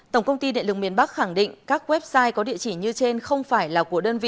tổng công ty điện lực miền bắc khẳng định các website có địa chỉ như trên không phải là của đơn vị